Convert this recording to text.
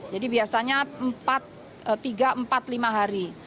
jadi biasanya tiga empat lima hari